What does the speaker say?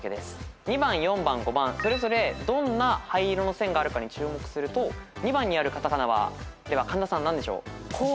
２番４番５番それぞれどんな灰色の線があるかに注目すると２番にある片仮名は神田さん何でしょう？